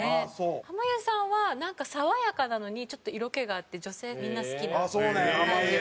濱家さんは、爽やかなのにちょっと色気があって女性みんな好きな感じが。